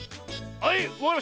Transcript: はい。